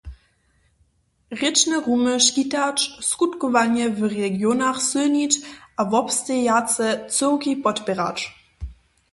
Rěčne rumy škitać, skutkowanje w regionach sylnić a wobstejace cyłki podpěrać.